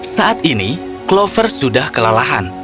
saat ini clover sudah kelelahan